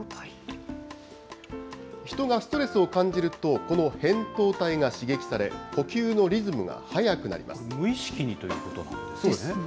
人がストレスを感じると、このへんとう体が刺激され、無意識にということなんですね。